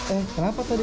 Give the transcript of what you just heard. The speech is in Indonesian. eh kenapa tadi